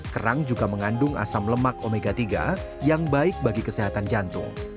kerang juga mengandung asam lemak omega tiga yang baik bagi kesehatan jantung